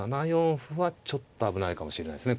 歩はちょっと危ないかもしれないですね。